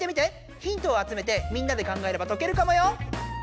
ヒントをあつめてみんなで考えれば解けるかもよ！